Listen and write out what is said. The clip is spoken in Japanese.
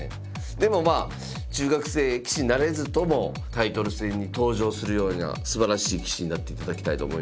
でもまあ中学生棋士になれずともタイトル戦に登場するようなすばらしい棋士になっていただきたいと思います。